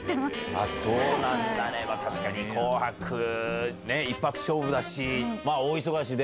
あっそうなんだね、確かに、紅白ね、一発勝負だし、大忙しで。